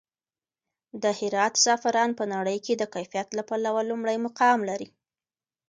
د هرات زعفران په نړۍ کې د کیفیت له پلوه لومړی مقام لري.